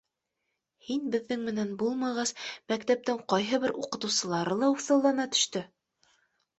Һин беҙҙең менән булмағас, мәктәптең ҡайһы бер уҡытыусылары ла уҫаллана төштө.